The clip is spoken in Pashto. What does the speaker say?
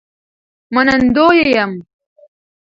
منندوی یم